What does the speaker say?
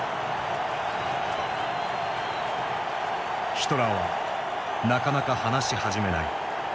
ヒトラーはなかなか話し始めない。